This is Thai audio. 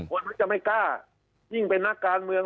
คนก็จะไม่กล้ายิ่งเป็นนักการเมือง